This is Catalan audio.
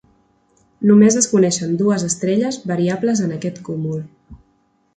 Només es coneixen dues estrelles variables en aquest cúmul.